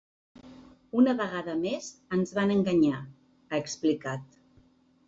Una vegada més ens van enganyar, ha explicat.